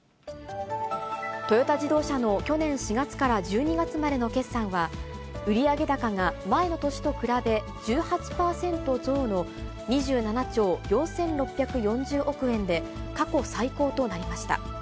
トヨタ自動車の去年４月から１２月までの決算は、売上高が前の年と比べ１８％増の２７兆４６４０億円で、過去最高となりました。